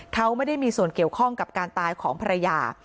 เขาไม่ได้มีส่วนเกี่ยวข้องกับการตายของภรรยา